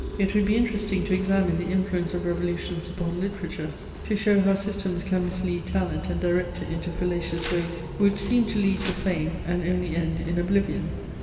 It would be interesting to examine the influence of revolutions upon literature, to show how systems can mislead talent and direct it into fallacious ways which seem to lead to fame and only end in oblivion.